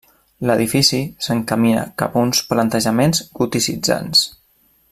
L'edifici s'encamina cap a uns plantejaments goticitzants.